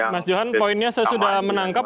mas johan poinnya saya sudah menangkap